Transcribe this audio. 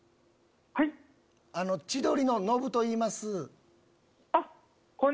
千鳥のノブといいます。